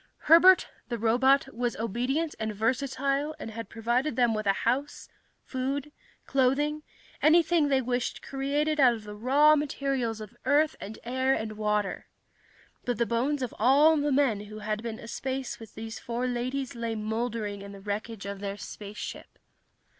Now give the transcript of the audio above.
Herbert, the robot, was obedient and versatile and had provided them with a house, food, clothing, anything they wished created out of the raw elements of earth and air and water. But the bones of all the men who had been aspace with these four ladies lay mouldering in the wreckage of their spaceship.